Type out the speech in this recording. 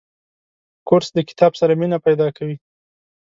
کورس د کتاب سره مینه پیدا کوي.